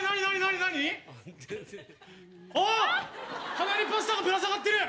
鼻にパスタがぶら下がってる！